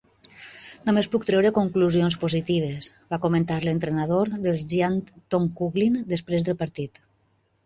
"Només puc treure conclusions positives", va comentar l'entrenador dels Giants Tom Coughlin després del partit.